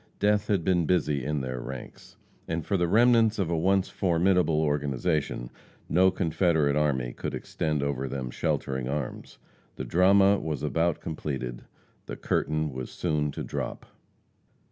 Death had been busy in their ranks; and for the remnants of a once formidable organization, no Confederate army could extend over them sheltering arms. The drama was about completed; the curtain was soon to drop.